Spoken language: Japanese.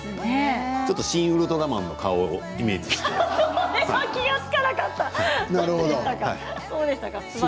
ちょっと「シン・ウルトラマン」の顔をイメージしました。